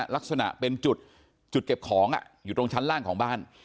ลักษณะเป็นจุดเก็บของอยู่ตรงชั้นล่างของบ้าน